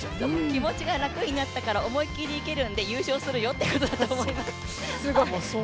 気持ちが楽になったから思い切りいけるんで優勝するよってことだと思います。